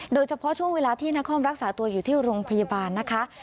โดยเฉพาะช่วงเวลาที่นครรักษาตัวอยู่ที่โรงพยาบาลนะคะ